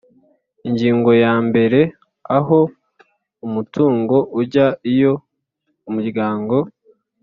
Ingingo yambere Aho umutungo ujya iyo umuryango